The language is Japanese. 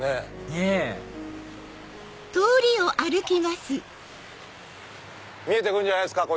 ねぇ見えてくるんじゃないですか。